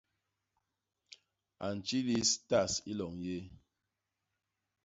A ntjilis tas i loñ yéé.